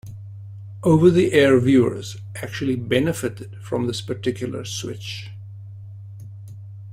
Over-the-air viewers actually benefited from this particular switch.